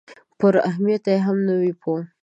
پر اهمیت یې هم نه وي پوه شوي.